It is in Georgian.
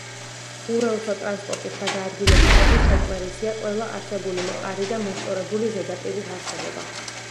ურელსო ტრანსპორტის გადაადგილებისათვის საკმარისია ყველა არსებული მყარი და მოსწორებული ზედაპირის არსებობა.